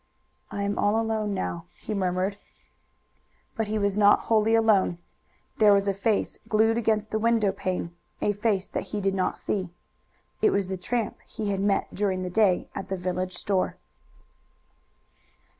"I am all alone now," he murmured. But he was not wholly alone. There was a face glued against the window pane a face that he did not see. It was the tramp he had met during the day at the village store.